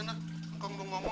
udah tunggu mpang di sauna